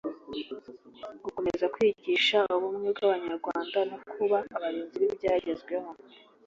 gukomeza kwigisha ubumwe bw’Abanyarwanda no kuba abarinzi b’ibyagezweho